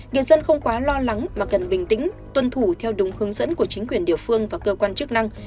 người dân không quá lo lắng mà cần bình tĩnh tuân thủ theo đúng hướng dẫn của chính quyền địa phương và cơ quan chức năng